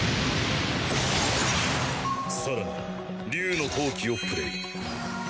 更に竜の闘気をプレイ。